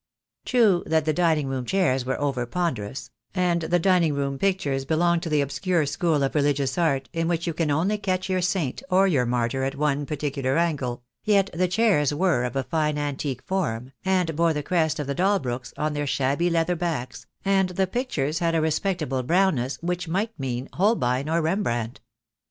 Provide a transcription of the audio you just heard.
True that the dining room chairs were over ponderous, and the dining room pictures belonged to the obscure school of religious art in which you can only catch your saint or your martyr at one particular angle; yet the chairs were of a fine antique form, and bore the crest of the Dalbrooks on their shabby leather backs, and the pictures had a respectable brownness which might mean Holbein or Rembrandt.